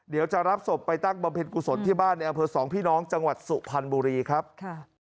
เดี๋ยวจะรับศพไปตั้งบำเพ็ญกุศลที่บ้านในอำเภอสองพี่น้องจังหวัดสุพรรณบุรีครับค่ะ